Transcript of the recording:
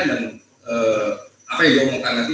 dan apa yang diomongkan nanti